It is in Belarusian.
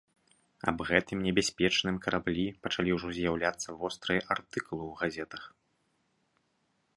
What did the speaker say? Аб гэтым небяспечным караблі пачалі ўжо з'яўляцца вострыя артыкулы ў газетах.